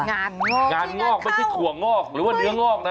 งานงอกคืองานเข้างานงอกไม่ใช่ถั่วงอกหรือว่าเดื้องอกนะ